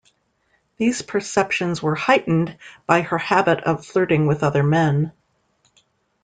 These perceptions were heightened by her habit of flirting with other men.